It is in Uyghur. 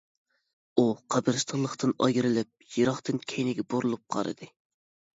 ئۇ قەبرىستانلىقتىن ئايرىلىپ، يىراقتىن كەينىگە بۇرۇلۇپ قارىدى.